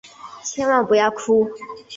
千万不要哭！